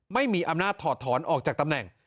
ไม่มีอำนาจถอดถอนออกจากตำแหน่ง